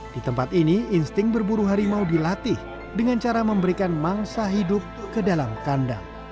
di tempat ini insting berburu harimau dilatih dengan cara memberikan mangsa hidup ke dalam kandang